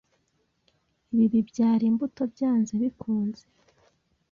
ibi bibyara imbuto byanze bikunze,